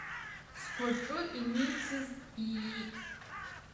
Сгәаҿы имицыз иит!